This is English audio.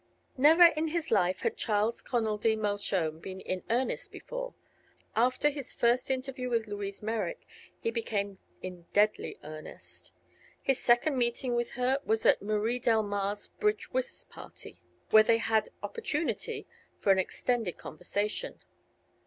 Never in his life had Charles Connoldy Mershone been in earnest before. After his first interview with Louise Merrick he became in deadly earnest. His second meeting with her was at Marie Delmar's bridge whist party, where they had opportunity for an extended conversation.